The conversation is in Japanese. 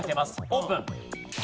オープン。